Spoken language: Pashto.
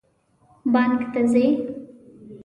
بانک ته ځئ؟